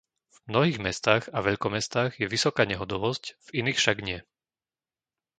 V mnohých mestách a veľkomestách je vysoká nehodovosť, v iných však nie.